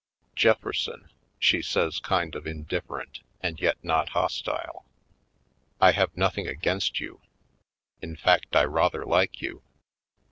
"Jefferson," she says kind of indifferent and yet not hostile, "I have nothing against you — in fact I rather like you.